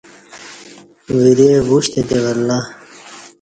ورے وُشتہ تے ولہ